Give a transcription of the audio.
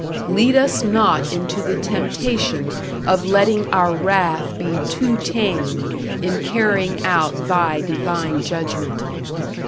Lead us not into the temptation of letting our wrath be too tame in carrying out Thy divine judgment.